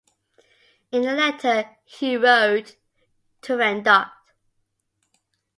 In a letter, he wrote: Turandot.